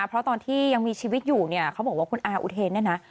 เพราะตอนที่ยังมีชีวิตอยู่เนี่ยเขาบอกว่าคุณอาอุเทนเนี่ยนะ